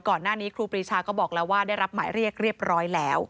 ครูปรีชาก็บอกแล้วว่าได้รับหมายเรียกเรียบร้อยแล้ว